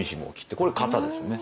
これ型ですよね。